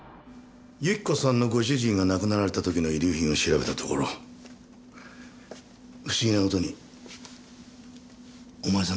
由紀子さんのご主人が亡くなられた時の遺留品を調べたところ不思議な事にお前さんの指紋が出てきた。